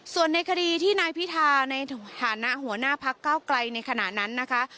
ส่วนในคดีที่นายพิธาในฐานะหัวหน้าพักเก้าไกลในขณะนั้นนะคะ